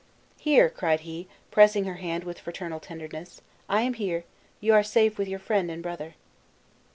"Here!" cried he, pressing her hand with fraternal tenderness; "I am here; you are safe with your friend and brother."